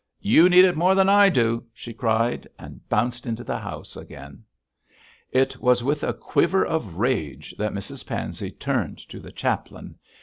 'You need it more than I do,' she cried, and bounced into the house again. It was with a quiver of rage that Mrs Pansey turned to the chaplain.